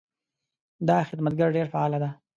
دا خدمتګر ډېر فعاله ده.